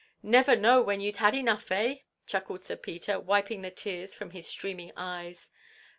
"Never know when you 've had enough, eh?" chuckled Sir Peter, wiping the tears from his streaming eyes.